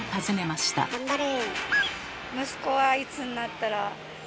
頑張れ。